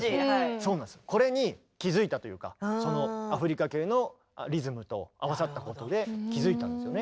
これに気付いたというかそのアフリカ系のリズムと合わさったことで気付いたんですよね。